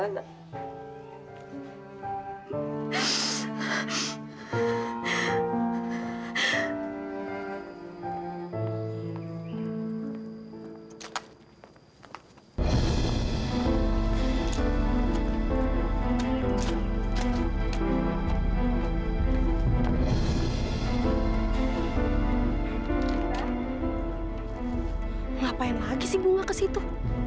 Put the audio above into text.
ngapain lagi sih bunga kesitu